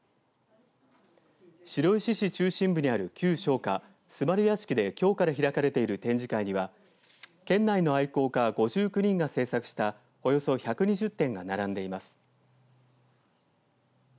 白石市中心部にある旧商家壽丸屋敷できょうから開かれている展示会には県内の愛好家５９人が制作したおよそ１２０点が並んでいます。